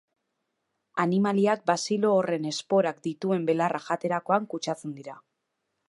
Animaliak bazilo horren esporak dituen belarra jaterakoan kutsatzen dira.